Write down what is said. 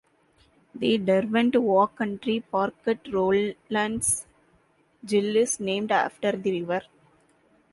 The Derwent Walk Country Park at Rowlands Gill is named after the river.